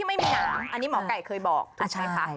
ไม่ต้องมาถอแถวไทยรัก